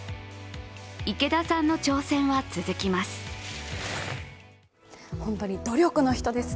池田さんの挑戦は続きます。